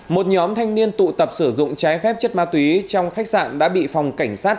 một nhóm thanh niên tụ tập sử dụng trái phép chất ma túy trong khách sạn đã bị phòng cảnh sát